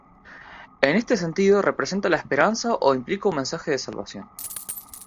En este sentido, representa la esperanza o implica un mensaje de salvación.